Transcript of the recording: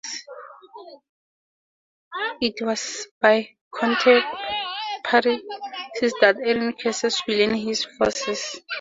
It was said by contemporaries that Arian Christians swelled his forces.